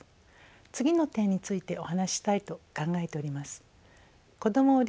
次の点についてお話ししたいと考えております。